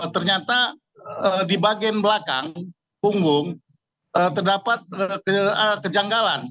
ternyata di bagian belakang punggung terdapat kejanggalan